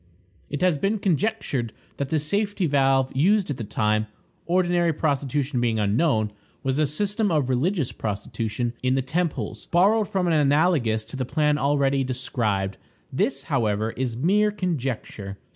It has been conjectured that the safety valve used at that time, ordinary prostitution being unknown, was a system of religious prostitution in the temples, borrowed from and analogous to the plan already described. This, however, is mere conjecture.